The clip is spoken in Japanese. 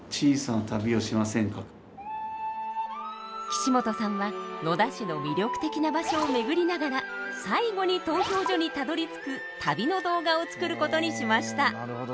岸本さんは野田市の魅力的な場所を巡りながら最後に投票所にたどりつく旅の動画を作ることにしました。